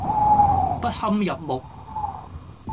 不堪入目